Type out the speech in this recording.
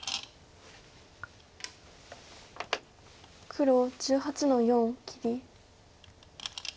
黒１８の四切り。